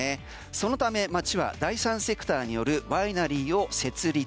そのため町は第三セクターによるワイナリーを設立。